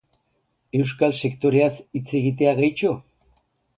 Euskal sektoreaz hitz egitea, gehitxo?